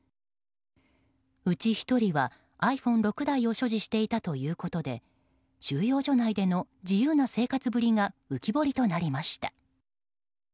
うち１人は、ｉＰｈｏｎｅ６台を所持していたということで収容所内での自由な生活ぶりが浮き彫りとなりました。